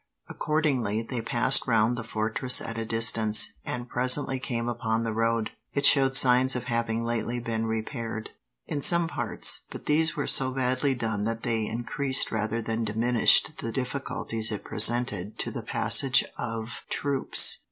Accordingly, they passed round the fortress at a distance, and presently came upon the road. It showed signs of having lately been repaired, in some parts, but these were so badly done that they increased rather than diminished the difficulties it presented to the passage of troops.